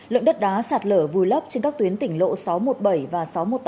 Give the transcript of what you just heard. lượng đất đá sạt lở vùi lấp trên các tuyến tỉnh lộ sáu trăm một mươi bảy và sáu trăm một mươi tám